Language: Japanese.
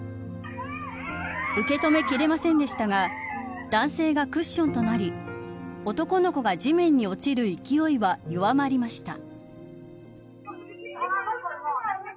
受け止めきれませんでしたが男性がクッションとなり男の子が地面に落ちる勢いは弱まりました。